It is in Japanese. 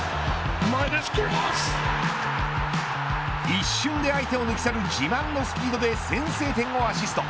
一瞬で相手を抜き去る自慢のスピードで先制点をアシスト。